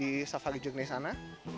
di safari jogja di sana